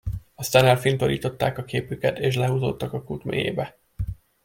Aztán elfintorították a képüket, és lehúzódtak a kút mélyébe.